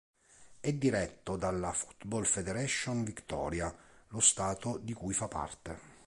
È diretto dalla Football Federation Victoria, lo stato di cui fa parte.